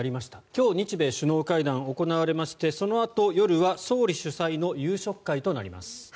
今日日米首脳会談が行われましてそのあと夜は総理主催の夕食会となります。